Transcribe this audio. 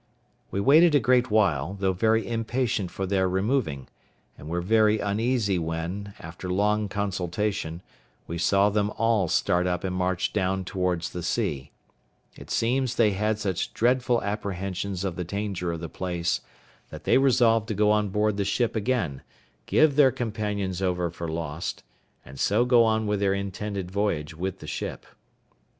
We waited a great while, though very impatient for their removing; and were very uneasy when, after long consultation, we saw them all start up and march down towards the sea; it seems they had such dreadful apprehensions of the danger of the place that they resolved to go on board the ship again, give their companions over for lost, and so go on with their intended voyage with the ship.